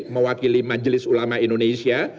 mewakili majelis ulama indonesia